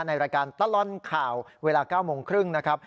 ในรายการตลอดข่าวเวลา๙โมงครึ่งนะครับ